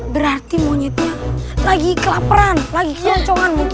berarti monyetnya lagi kelaperan lagi keloncongan lagi